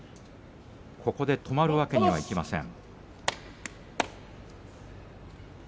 ここで止まるわけにはいきません。